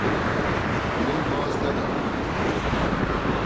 Min baz neda.